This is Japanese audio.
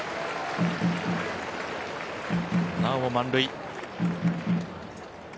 なおも満塁。